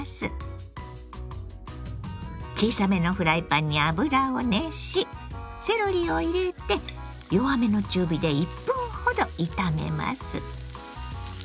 小さめのフライパンに油を熱しセロリを入れて弱めの中火で１分ほど炒めます。